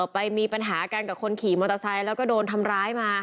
ไปมีปัญหากันกับคนขี่มอเตอร์ไซค์แล้วก็โดนทำร้ายมา